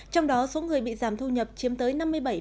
trong đó số người bị giảm thu nhập chiếm tới năm mươi bảy